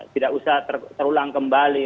tidak usah terulang kembali